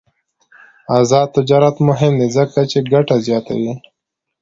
آزاد تجارت مهم دی ځکه چې ګټه زیاتوي.